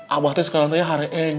abah teh sekarang teh ya hareng